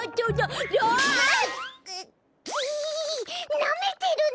なめてるの？